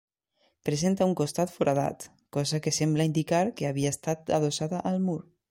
Presenta un costat foradat, cosa que sembla indicar que havia estat adossada al mur.